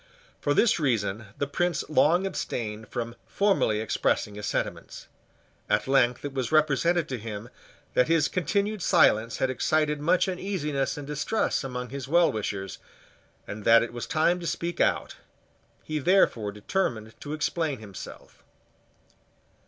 For this reason the Prince long abstained from formally expressing his sentiments. At length it was represented to him that his continued silence had excited much uneasiness and distrust among his wellwishers, and that it was time to speak out. He therefore determined to explain himself.